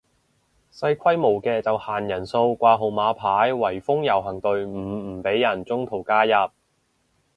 細規模嘅就限人數掛號碼牌圍封遊行隊伍唔俾人中途加入